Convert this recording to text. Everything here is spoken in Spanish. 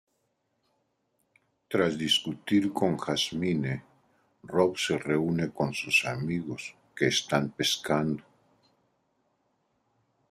Tras discutir con Jasmine, Rob se reúne con sus amigos, que están pescando.